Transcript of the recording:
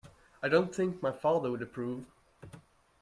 I don’t think my father would approve